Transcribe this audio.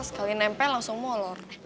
sekali nempel langsung molor